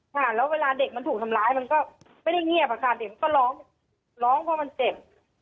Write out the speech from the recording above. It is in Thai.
ค่ะแล้วเวลาเด็กมันถูกทำร้ายมันก็ไม่ได้เงียบอะค่ะเด็กมันก็ร้องร้องเพราะมันเจ็บ